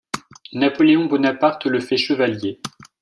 Napoléon Bonaparte le fait chevalier.